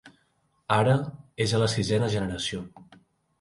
Ara és a la sisena generació.